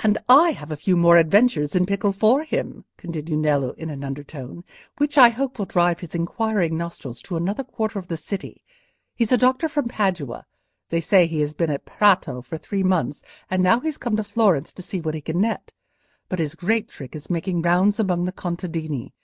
"And I have a few more adventures in pickle for him," continued Nello, in an undertone, "which I hope will drive his inquiring nostrils to another quarter of the city. He's a doctor from Padua; they say he has been at Prato for three months, and now he's come to Florence to see what he can net. But his great trick is making rounds among the contadini.